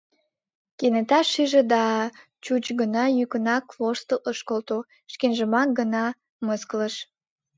Кенета шиже да чуч гына йӱкынак воштыл ыш колто: шкенжымак гына мыскылыш.